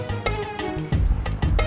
sedang mengingatkan saya